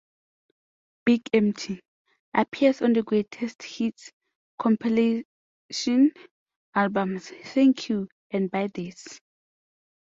"Big Empty" appears on the greatest hits compilation albums "Thank You" and "Buy This".